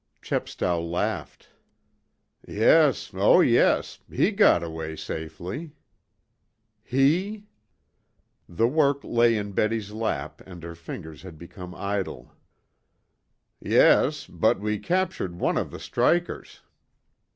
Chepstow laughed. "Yes, oh yes. He got away safely." "He?" The work lay in Betty's lap, and her fingers had become idle. "Yes. But we captured one of the strikers."